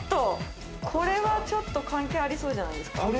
これはちょと関係ありそうじゃないですか。